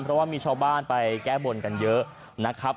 เพราะว่ามีชาวบ้านไปแก้บนกันเยอะนะครับ